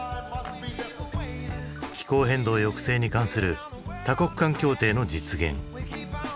気候変動抑制に関する多国間協定の実現。